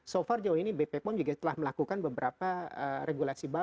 so far jauh ini bp pon juga telah melakukan beberapa regulasi baru